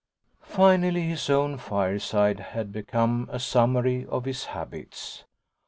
Finally his own fireside had become a summary of his habits.